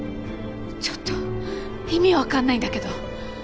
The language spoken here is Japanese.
ちょっと意味わかんないんだけど。